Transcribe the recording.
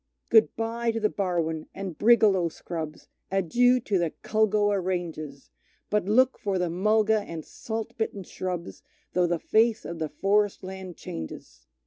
Good bye to the Barwon, and brigalow scrubs, Adieu to the Culgoa ranges, But look for the mulga and salt bitten shrubs, Though the face of the forest land changes.